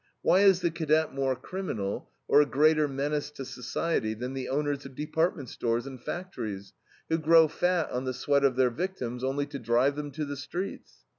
Why is the cadet more criminal, or a greater menace to society, than the owners of department stores and factories, who grow fat on the sweat of their victims, only to drive them to the streets?